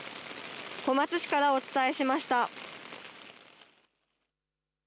小松市からお伝えしました。